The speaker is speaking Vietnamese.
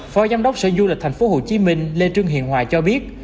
phó giám đốc sở du lịch tp hcm lê trương hiền hòa cho biết